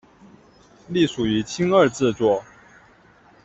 隶属于青二制作。